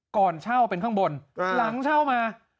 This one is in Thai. ก่อนเช่าเป็นข้างบนหลังเช่ามา